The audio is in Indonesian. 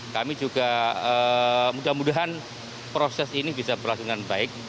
kami juga mudah mudahan proses ini bisa berlangsung dengan baik